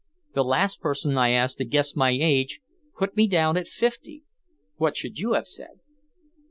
The last person I asked to guess my age put me down at fifty. What should you have said?"